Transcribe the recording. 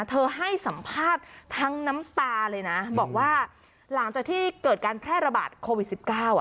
ให้สัมภาษณ์ทั้งน้ำตาเลยนะบอกว่าหลังจากที่เกิดการแพร่ระบาดโควิด๑๙